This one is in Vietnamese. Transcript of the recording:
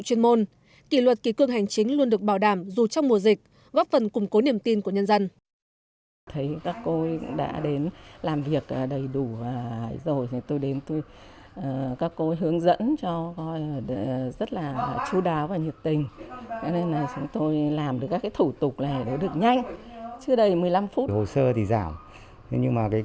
chuyên môn kỷ luật kỳ cương hành chính luôn được bảo đảm dù trong mùa dịch góp phần